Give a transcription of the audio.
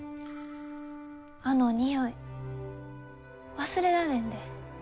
あの匂い忘れられんで。